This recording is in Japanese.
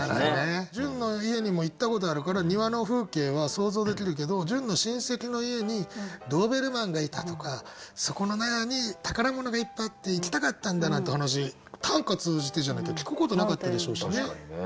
潤の家にも行ったことあるから庭の風景は想像できるけど潤の親戚の家にドーベルマンがいたとかそこの納屋に宝物がいっぱいあって行きたかったんだなんて話短歌通じてじゃなきゃ聞くことなかったでしょうしね。